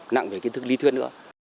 nặng về kiến thức lý thuyết nữa